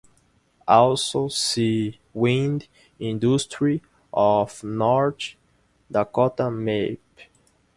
Also see Wind Industry of North Dakota Map.